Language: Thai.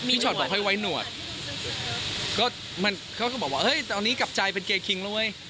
พี่ช็อตบอกให้ไว้หนวดก็บอกว่าตอนนี้กลับใจเป็นเกยร์คิง